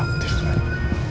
royal charter ke pingin lo ya